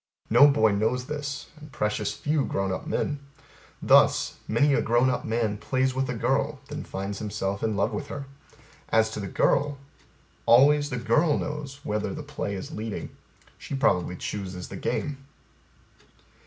No boy knows this and precious few grown up men. Thus Many a grown up man plays with a girl, then finds himself in love with her. As to the girl Always the girl knows whether the play is leading: she probably chooses the game.